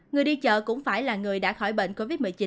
người đi chợ cũng phải là người đã khỏi bệnh covid một mươi chín